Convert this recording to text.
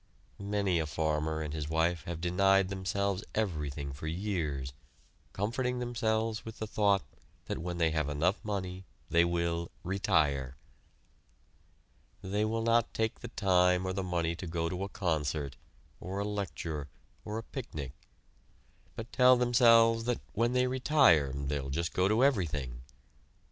Many a farmer and his wife have denied themselves everything for years, comforting themselves with the thought that when they have enough money they will "retire." They will not take the time or the money to go to a concert, or a lecture, or a picnic, but tell themselves that when they retire they will just go to everything.